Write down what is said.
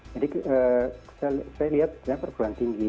jadi saya lihat perguruan tinggi